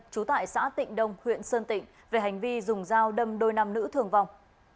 trú tại xã tịnh đông huyện sơn tịnh về hành vi dùng dao đâm đôi nàm nữ thường vòng